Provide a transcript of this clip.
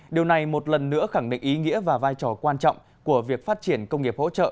điều này một lần nữa khẳng định ý nghĩa và vai trò quan trọng của việc phát triển công nghiệp hỗ trợ